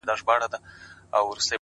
د ميني ننداره ده ـ د مذهب خبره نه ده ـ